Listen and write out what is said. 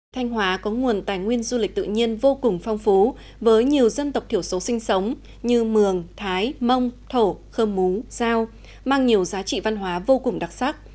thanh hóa có nguồn tài nguyên du lịch tự nhiên vô cùng phong phú với nhiều dân tộc thiểu số sinh sống như mường thái mông thổ khơm mú giao mang nhiều giá trị văn hóa vô cùng đặc sắc